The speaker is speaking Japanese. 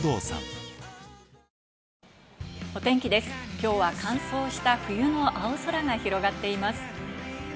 今日は乾燥した冬の青空が広がっています。